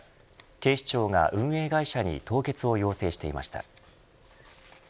警視庁が運営会社に凍結を要請していました。